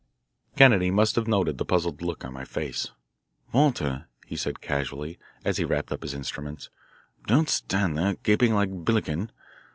Kennedy must have noted the puzzled look on my face. "Walter," he said, casually, as he wrapped up his instruments, "don't stand there gaping like Billikin.